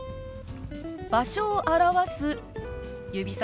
場所を表す指さしです。